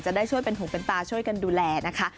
จะได้ช่วยเป็นหูเป็นตาช่วยกันดูแลนะคะ